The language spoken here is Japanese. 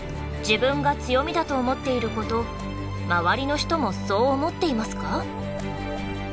自分が強みだと思っていること周りの人もそう思っていますか？